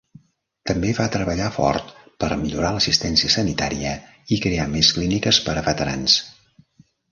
També va treballar fort per millorar l'assistència sanitària i crear més clíniques per a veterans.